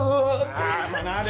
aduh mana ada setan